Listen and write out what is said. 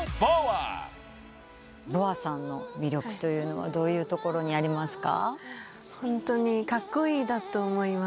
ＢｏＡさんの魅力というのはどういうところにありますか？